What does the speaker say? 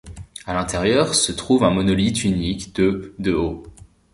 À l’intérieur se trouve un monolithe unique de de haut.